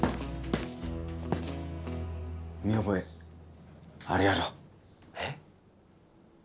見覚えあるやろ？え？